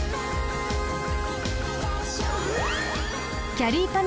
きゃりーぱみ